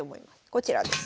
こちらです。